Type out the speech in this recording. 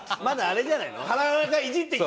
まだあれじゃないの？